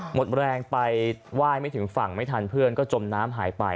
หมดแรงไปไหว้ไม่ถึงฝั่งไม่ทันเพื่อนก็จมน้ำหายไป